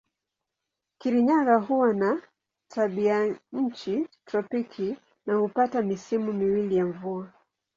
Kirinyaga huwa na tabianchi tropiki na hupata misimu miwili ya mvua.